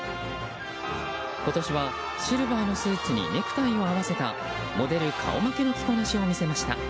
今年はシルバーのスーツにネクタイを合わせたモデル顔負けの着こなしを見せました。